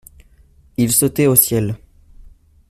Il sautait au ciel.